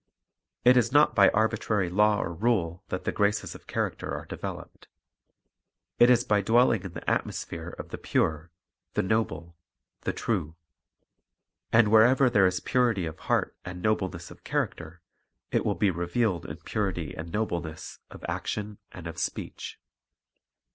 It is not by arbitrary law or rule that the graces of character are developed. It is by dwelling in the atmosphere of the pure, the noble, the true. And wherever there is purity of heart and nobleness of character, it will be revealed in purity and nobleness of action and of speech.